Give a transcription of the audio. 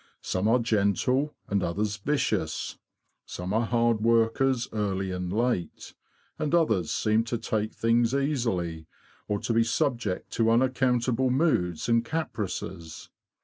Some are gentle and others vicious; some are hard workers early and late, and others seem to take things easily, or to be subject to unaccountable moods and caprices.